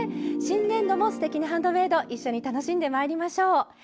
新年度も「すてきにハンドメイド」一緒に楽しんでまいりましょう。